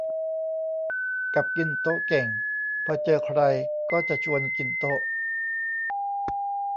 กับกินโต๊ะเก่ง พอเจอใครก็จะชวนกินโต๊ะ